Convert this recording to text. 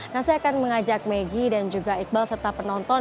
nah saya akan mengajak maggie dan juga iqbal serta penonton